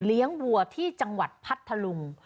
เลี้ยงวัวที่จังหวัดพัทธรรม